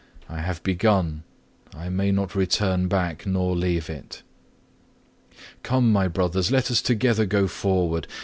I have begun; I may not return back nor leave it. 6. Come, my brothers, let us together go forward.